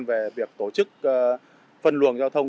về việc tổ chức phân luồng giao thông